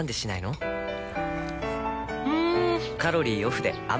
ん！